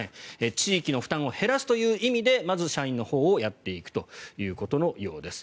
地域の負担を減らすという意味でまず社員のほうをやっていくということのようです。